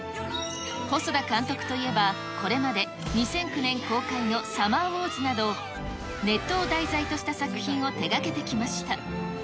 細田監督といえば、これまで２００９年公開のサマーウォーズなど、ネットを題材とした作品を手がけてきました。